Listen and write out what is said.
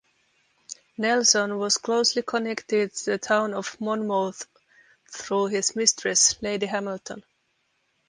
Nelson was closely connected to the town of Monmouth through his mistress Lady Hamilton.